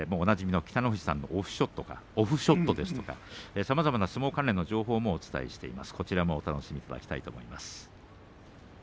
おなじみの北の富士さんのオフショットですとかさまざまな相撲関連の情報をお伝えしています。